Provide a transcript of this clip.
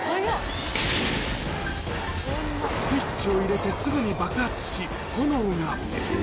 スイッチを入れてすぐに爆発し、炎が。